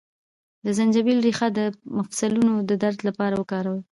د زنجبیل ریښه د مفصلونو د درد لپاره وکاروئ